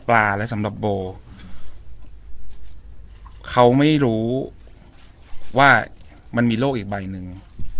และสำหรับโบเขาไม่รู้ว่ามันมีโรคอีกใบหนึ่ง